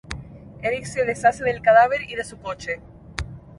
Eric se deshace del cadáver y de su coche.